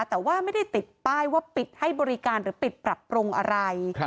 แต่ว่าไม่ได้ติดป้ายว่าปิดให้บริการหรือปิดปรับปรุงอะไร